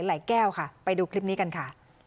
แก้วค่ะไปดูคลิปนี้กันค่ะ